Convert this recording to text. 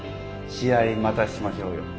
試合またしましょうよ。